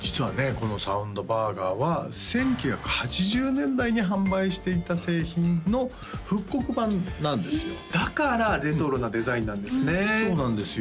このサウンドバーガーは１９８０年代に販売していた製品の復刻版なんですよだからレトロなデザインなんですねそうなんですよ